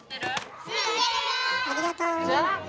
ありがと。